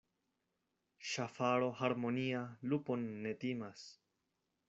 Ŝafaro harmonia lupon ne timas.